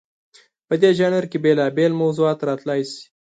په دې ژانر کې بېلابېل موضوعات راتلی شي.